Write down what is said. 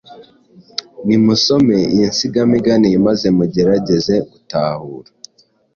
Nimusome iyi nsigamigani maze mugerageze gutahura